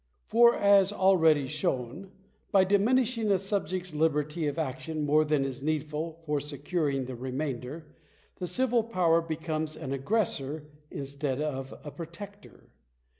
For, as already shown, by diminishing a subject's liberty of action more than is needful for securing the remainder, the civil power becomes an aggressor instead of a protector.